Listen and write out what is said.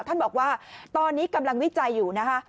ท่านบอกว่าตอนนี้กำลังวิจัยอยู่นะคะ